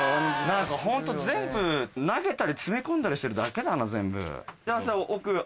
ホント全部投げたり詰め込んだりしてるだけだな。